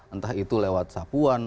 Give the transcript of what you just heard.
entah itu lewat sapuan